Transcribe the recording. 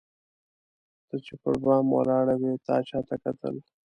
ته چي پر بام ولاړه وې تا چاته کتل؟